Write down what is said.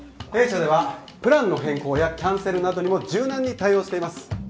弊社ではプランの変更やキャンセルなどにも柔軟に対応しています。